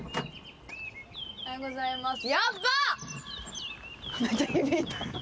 おはようございます。